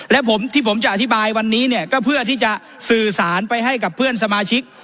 และผมที่ผมจะอธิบายวันนี้เนี่ยก็เพื่อที่จะสื่อสารไปให้กับเพื่อนสมาชิก